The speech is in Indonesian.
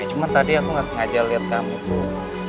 cuma tadi aku gak sengaja liat kamu tuh